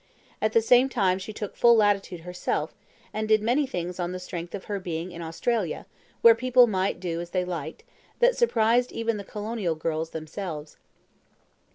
At the same time she took full latitude herself, and did many things on the strength of her being in Australia, where people might do as they liked, that surprised even the colonial girls themselves.